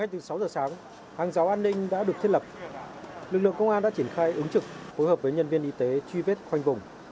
từ sáu giờ sáng hàng giáo an ninh đã được thiết lập lực lượng công an đã triển khai ứng trực phối hợp với nhân viên y tế truy vết khoanh vùng